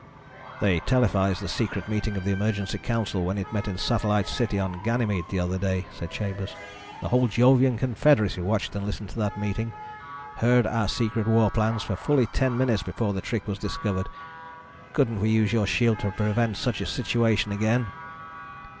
"They televised the secret meeting of the emergency council when it met in Satellite City on Ganymede the other day," said Chambers. "The whole Jovian confederacy watched and listened to that meeting, heard our secret war plans, for fully ten minutes before the trick was discovered. Couldn't we use your shield to prevent such a situation again?"